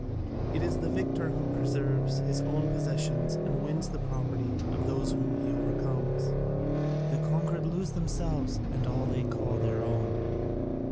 It is the victor who preserves his own possessions and wins the property of those whom he overcomes: the conquered lose themselves and all they call their own."